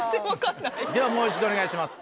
ではもう一度お願いします。